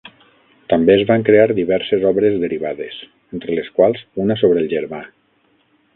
També es van crear diverses obres derivades, entre les quals una sobre el germà.